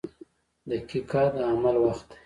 • دقیقه د عمل وخت دی.